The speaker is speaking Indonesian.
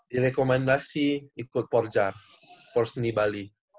direkomendasi ikut porjar por seni bali